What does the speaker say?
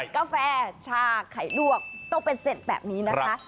กาแฟชาไข่ลวกต้องเป็นเสร็จแบบนี้นะคะ